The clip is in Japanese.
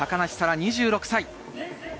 ２６歳。